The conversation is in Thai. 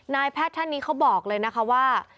นายแพทย์ท่านนี้เขาบอกเลยนะคะว่า